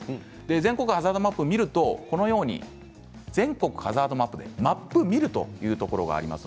全国ハザードマップを見ると全国ハザードマップでマップ見るというところがあります。